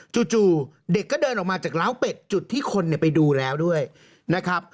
จู่เด็กก็เดินออกมาจากล้าวเป็ดจุดที่คนไปดูแล้วด้วยนะครับ